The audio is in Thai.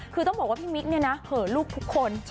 คือต้องบอกว่าพี่มิ๊กเนี่ยนะเหอะลูกทุกคน